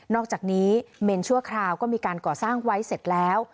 อกจากนี้เมนชั่วคราวก็มีการก่อสร้างไว้เสร็จแล้ว